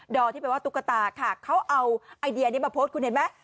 ที่แปลว่าตุ๊กตาค่ะเขาเอาไอเดียนี้มาโพสต์คุณเห็นไหม